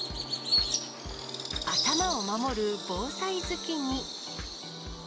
頭を守る防災頭巾に。